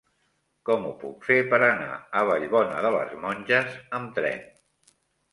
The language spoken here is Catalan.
Com ho puc fer per anar a Vallbona de les Monges amb tren?